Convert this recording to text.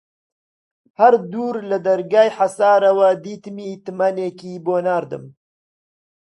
هەر دوور لە دەرگای حەسارەوە دیتمی تمەنێکی بۆ ناردم